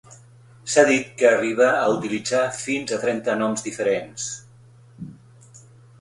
S'ha dit que arribà a utilitzar fins a trenta noms diferents.